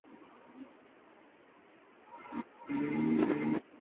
Juega sus partidos de local en una Cancha Anexa al Estadio Morelos.